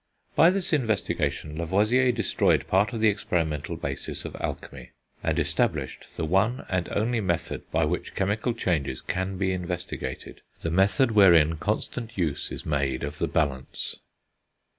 By this investigation Lavoisier destroyed part of the experimental basis of alchemy, and established the one and only method by which chemical changes can be investigated; the method wherein constant use is made of the balance.